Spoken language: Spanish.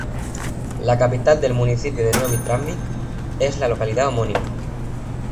La capital del municipio de Novi Travnik es la localidad homónima.